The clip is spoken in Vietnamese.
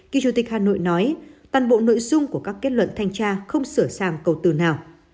kỳ chủ tịch hà nội nói toàn bộ nội dung của các kết luận thanh tra không sửa sang cầu từ nào